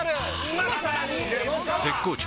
絶好調！！